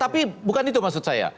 tapi bukan itu maksud saya